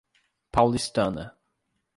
Paulistana